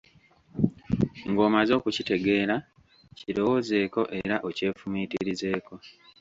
Ng'omaze okukitegeera, kirowoozeeko era okyefumiitirizeeko.